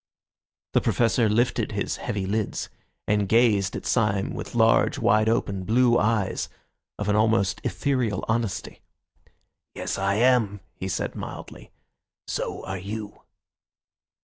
The Professor lifted his heavy lids, and gazed at Syme with large, wide open, blue eyes of an almost ethereal honesty. "Yes, I am," he said mildly. "So are you."